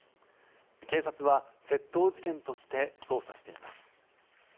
警察は窃盗事件として捜査しています。